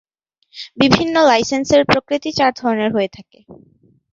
বিভিন্ন লাইসেন্সের প্রকৃতি চার ধরনের হয়ে থাকে।